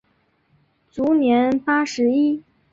卒年八十一。